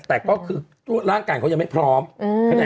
แต่ก็คือร่างการเขายังไม่พร้อมเห็นไหม